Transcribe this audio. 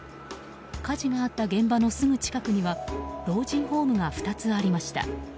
火事があった現場のすぐ近くには老人ホームが２つありました。